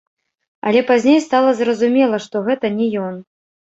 Але пазней стала зразумела, што гэта не ён.